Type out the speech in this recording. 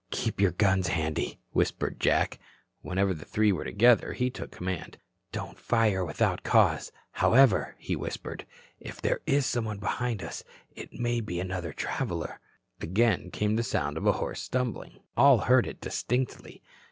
"Keep your guns handy," whispered Jack. Whenever the three were together he took command. "Don't fire without cause, however," he whispered. "If there is someone behind us, it may be another traveller." Again came the sound of a horse stumbling. All heard it distinctly.